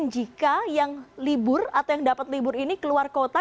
jika yang libur atau yang dapat libur ini keluar kota